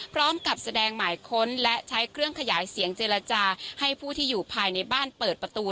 พร้อมกับแสดงหมายค้นและใช้เครื่องขยายเสียงเจรจาให้ผู้ที่อยู่ภายในบ้านเปิดประตู